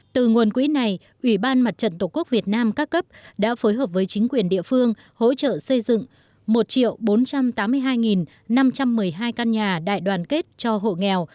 từ nguồn quỹ này ủy ban mặt trận tổ quốc việt nam các cấp đã phối hợp với chính quyền địa phương hỗ trợ xây dựng một bốn trăm tám mươi hai năm trăm một mươi hai căn nhà đại đoàn kết cho hộ nghèo